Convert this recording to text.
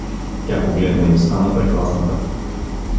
Тя погледна и остана прехласната.